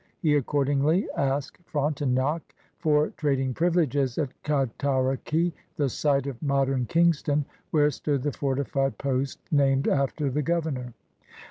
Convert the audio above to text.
He accordingly asked Frontenac for trading privileges at Cataraqui, the site of modem Kingston, whare stood the fortified post named alter the governor.